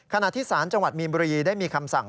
ขณะที่ศาลจังหวัดมีนบุรีได้มีคำสั่ง